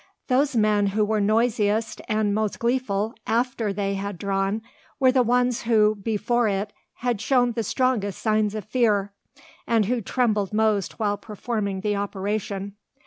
Those men who were noisiest and most gleeful after they had drawn were the ones who before it had shown the strongest signs of fear, and who trembled most while performing the operation.